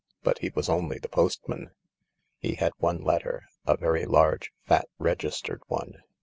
But he was only the postman. He had one letter — a very large, fat, registered one.